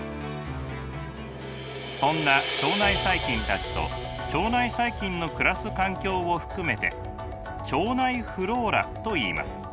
そんな腸内細菌たちと腸内細菌の暮らす環境を含めて腸内フローラといいます。